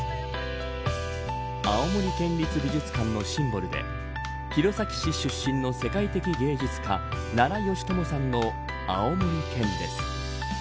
青森県立美術館のシンボルで弘前市出身の世界的芸術家奈良美智さんのあおもり犬です。